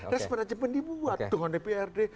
dan sebenarnya jempen dibuat dengan dprd